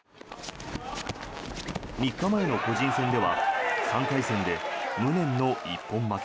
３日前の個人戦では３回戦で無念の一本負け。